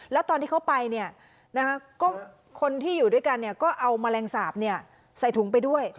แล้วตอนที่เขาไปคนที่อยู่ด้วยกันก็เอาแมลงสาปใส่ถุงไปด้วย